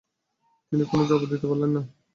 তিনি কোনো জবাব দিতে পারলেন না।